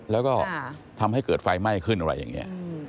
แล้วก็ทำให้เกิดไฟไหม้ขึ้นอะไรอย่างนี้